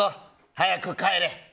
早く帰れ。